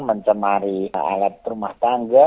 mencemari alat rumah tangga